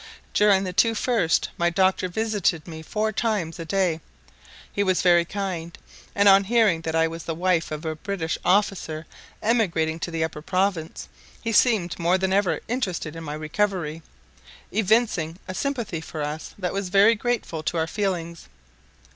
During the two first my doctor visited me four times a day; he was very kind, and, on hearing that I was the wife of a British officer emigrating to the Upper Province, he seemed more than ever interested in my recovery, evincing a sympathy for us that was very grateful to our feelings.